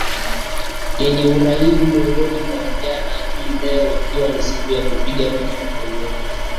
yenye uraibu miongoni mwa vijanaHii leo ikiwa ni siku ya kupiga vita matumizi